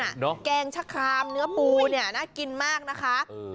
แกงชะครามเนื้อปูเนี่ยน่ากินมากนะคะ